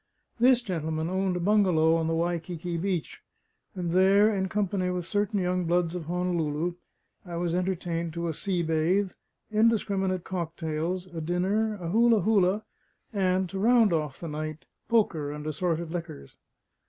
This gentleman owned a bungalow on the Waikiki beach; and there in company with certain young bloods of Honolulu, I was entertained to a sea bathe, indiscriminate cocktails, a dinner, a hula hula, and (to round off the night), poker and assorted liquors.